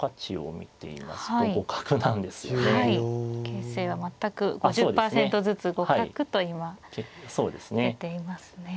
形勢は全く５０％ずつ互角と今出ていますね。